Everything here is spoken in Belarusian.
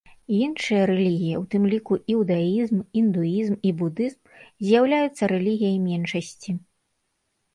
Іншыя рэлігіі, у тым ліку іудаізм, індуізм і будызм, з'яўляюцца рэлігіяй меншасці.